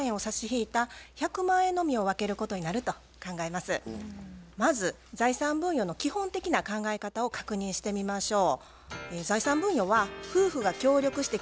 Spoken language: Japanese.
まず財産分与の基本的な考え方を確認してみましょう。